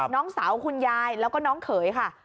น้องสาวคุณยายแล้วก็น้องเขยค่ะ